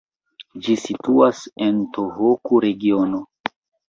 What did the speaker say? Ĝi situas en Tohoku-regiono.